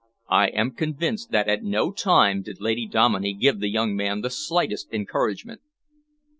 I am convinced that at no time did Lady Dominey give the young man the slightest encouragement."